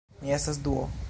Mi estas Duo